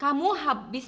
kamu habis beres